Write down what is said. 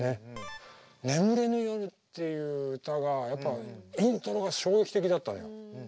「眠れぬ夜」っていう歌がやっぱイントロが衝撃的だったのよ。